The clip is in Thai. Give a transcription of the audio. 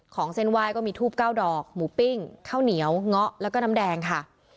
เส้นไหว้ก็มีทูบ๙ดอกหมูปิ้งข้าวเหนียวเงาะแล้วก็น้ำแดงค่ะ